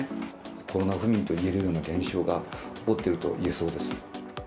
コロナ不眠といえるような現象が起こっていると言えそうです。